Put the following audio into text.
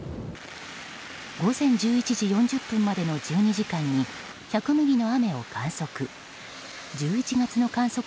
午前１１時４０分までの１２時間に１００ミリの雨を観測。